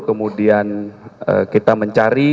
kemudian kita mencari